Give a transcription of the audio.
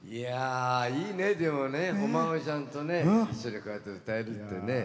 いいね、でもお孫さんと一緒にこうやって歌えるっていうね。